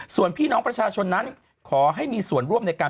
ส่วนพี่น้องประชาชนนั้นขอให้มีส่วนร่วมในการ